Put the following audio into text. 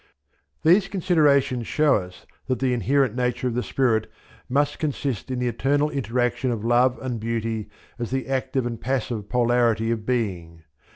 These considerations show us that the inherent nature of the Spirit must consist in the eternal interaction of Love and Beauty as the Active and Passive polarity of Being.